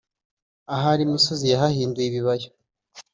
ahari imisozi ya hahinduye ibibaya